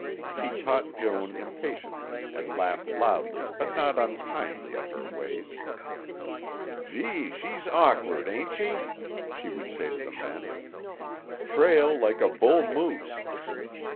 She taught Joan impatiently and laughed loudly but not unkindly at her ways. "Gee, she's awkward, ain't she?" she would say to the men; "trail like a bull moose!"